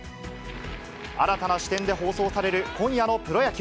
新たな視点で放送される今夜のプロ野球。